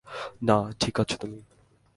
না, ঠিক আছো তুমি।